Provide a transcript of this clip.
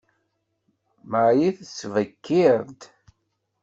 Marie tettbekkiṛ-d.